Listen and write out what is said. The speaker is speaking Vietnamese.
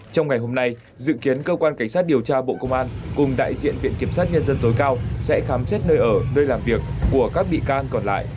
trong ngày hôm nay dự kiến cơ quan cảnh sát điều tra bộ công an cùng đại diện viện kiểm sát nhân dân tối cao sẽ khám xét nơi ở nơi làm việc của các bị can còn lại